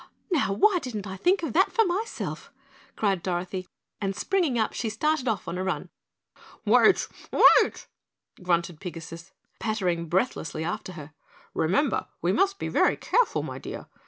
"Now, why didn't I think of that myself?" cried Dorothy, and springing up she started off on a run. "Wait! Wait!" grunted Pigasus, pattering breathlessly after her. "Remember, we must be very careful, my dear.